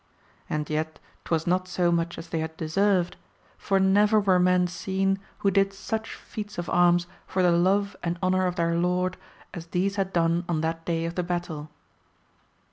And yet 'twas not so much as they had deserved ; for never were men seen who did such feats of arms for the love and honour of their Lord, as these had done on that day of the battle.